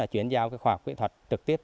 chuyển giao khoa học kỹ thuật trực tiếp